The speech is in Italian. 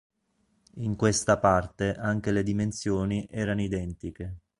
In questa parte anche le dimensioni erano identiche.